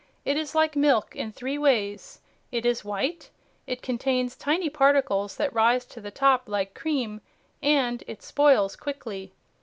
It is like milk in three ways: it is white, it contains tiny particles that rise to the top like cream, and it spoils quickly.